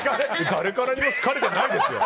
誰からも好かれてないですよ。